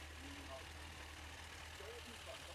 Řešíme tento problém po etapách.